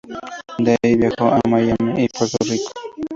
De ahí, viajó a Miami y Puerto Rico.